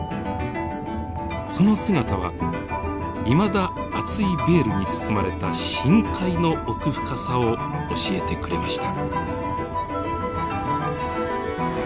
その姿はいまだ厚いベールに包まれた深海の奥深さを教えてくれました。